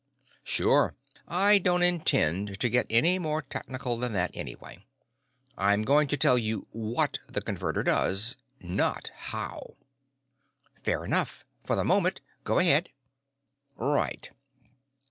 "Sure. I don't intend to get any more technical than that, anyway. I'm going to tell you what the Converter does not how." "Fair enough for the moment. Go ahead." "Right."